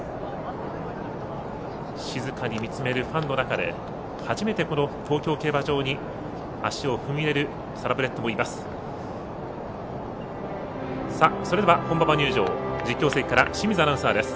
静かに見つめるファンの中で初めて東京競馬場に足を踏み入れるサラブレッドもいます。